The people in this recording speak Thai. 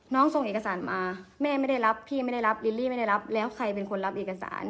ส่งเอกสารมาแม่ไม่ได้รับพี่ไม่ได้รับลิลลี่ไม่ได้รับแล้วใครเป็นคนรับเอกสาร